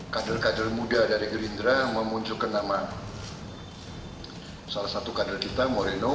kader kader muda dari gerindra memunculkan nama salah satu kader kita moreno